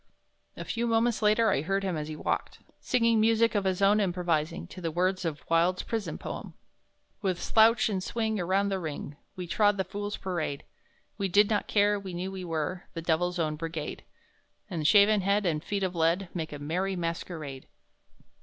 A few moments later I heard him as he walked, singing music of his own improvising to the words of Wilde's prison poem: "With slouch and swing around the ring, We trod the Fools' Parade! We did not care; we knew we were The Devil's Own Brigade; And shaven head and feet of lead Make a merry masquerade."